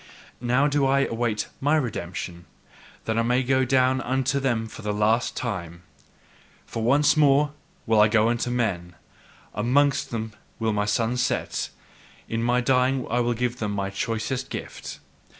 Now do I await MY redemption that I may go unto them for the last time. For once more will I go unto men: AMONGST them will my sun set; in dying will I give them my choicest gift!